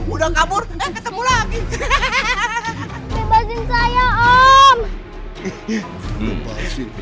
udah kabur weya ketemu lagi